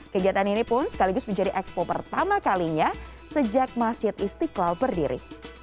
kegiatan ini pun sekaligus menjadi expo pertama kalinya sejak masjid istiqlal berdiri